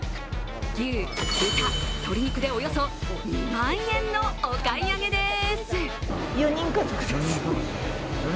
牛、豚、鶏肉でおよそ２万円のお買い上げです。